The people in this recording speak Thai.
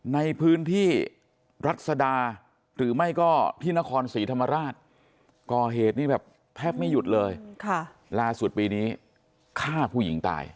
ในพื้นที่รัฐสดาหรือไม่ก็พิณฑฆรศรีธรรมราช